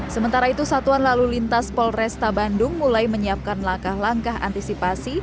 sementara itu satuan lalu lintas polresta bandung mulai menyiapkan langkah langkah antisipasi